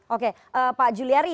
oke pak juliari